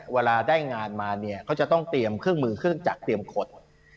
เวลาได้งานมาเนี่ยเขาจะต้องเตรียมเครื่องมือเครื่องจักรเตรียมกด